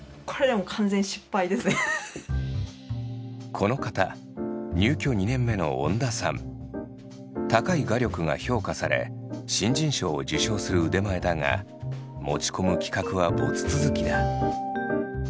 この方入居２年目の高い画力が評価され新人賞を受賞する腕前だが持ち込む企画はボツ続きだ。